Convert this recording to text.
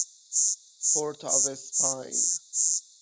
پرت آو اسپاین